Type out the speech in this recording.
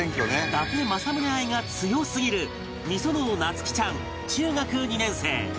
伊達政宗愛が強すぎる御園生夏姫ちゃん中学２年生